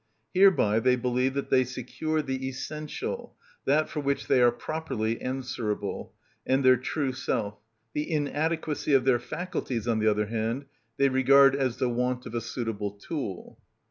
Hereby they believe that they secure the essential, that for which they are properly answerable, and their true self; the inadequacy of their faculties, on the other hand, they regard as the want of a suitable tool.